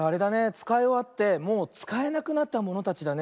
つかいおわってもうつかえなくなったものたちだね。